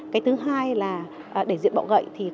cái thứ hai là để diện bọ gậy